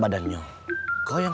jadi ini udah berapa ini